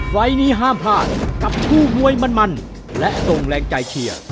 ไฟล์นี้ห้ามพลาดกับคู่มวยมันและส่งแรงใจเชียร์